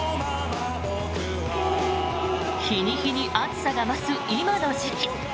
日に日に暑さが増す今の時期。